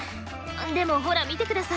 でもほら見てください。